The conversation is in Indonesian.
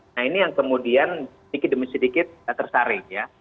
nah ini yang kemudian sedikit demi sedikit tersaring ya